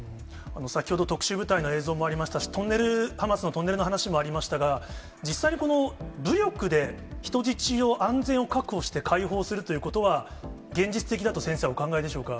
先ほど、特殊部隊の映像もありましたし、トンネル、ハマスのトンネルの話もありましたが、実際にこの武力で人質を、安全を確保して解放するということは、現実的だと先生はお考えでしょうか。